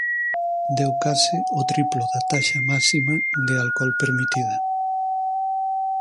Deu case o triplo da taxa máxima de alcol permitida.